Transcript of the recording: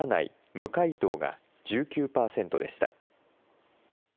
・無回答が１９％でした。